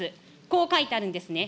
こう書いてあるんですね。